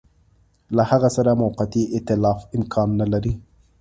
له هغه سره موقتي ایتلاف امکان نه لري.